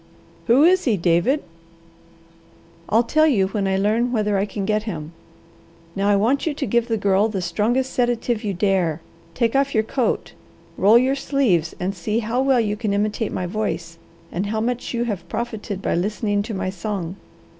"Who is he, David?" "I'll tell you when I learn whether I can get him. Now I want you to give the Girl the strongest sedative you dare, take off your coat, roll your sleeves, and see how well you can imitate my voice, and how much you have profited by listening to my song.